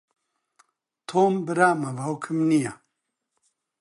تۆم برامە، باوکم نییە.